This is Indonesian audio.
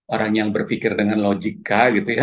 orang yang berpikir dengan logika